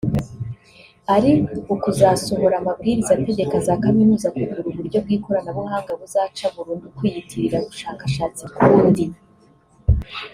ari ukuzasohora amabwiriza ategeka za Kaminuza kugura uburyo bw’ikoranabuhanga buzaca burundu kwiyitirira ubushakashatsi bw’undi